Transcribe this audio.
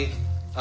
あ。